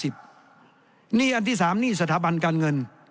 หนี้อันที่๓หนี้สถาบันการเงิน